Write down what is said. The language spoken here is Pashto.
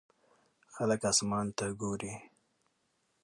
خلک اسمان ته ګوري.